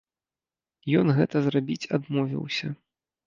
Ён гэта зрабіць адмовіўся.